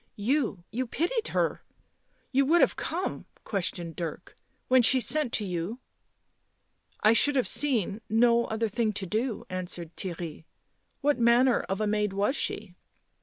" You — you — pitied her ? You would have come?" questioned Dirk. " When she sent to you ?"" I should have seen no other thing to do," answered Theirry. " What manner of a maid was she?"